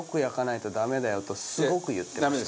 すごく言ってました。